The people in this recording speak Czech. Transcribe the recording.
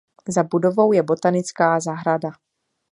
Za budovou je botanická zahrada.